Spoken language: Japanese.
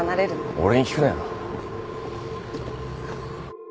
俺に聞くなよ。